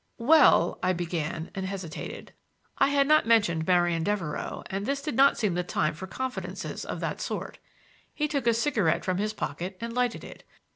"Well,—" I began and hesitated. I had not mentioned Marian Devereux and this did not seem the time for confidences of that sort. He took a cigarette from his pocket and lighted it.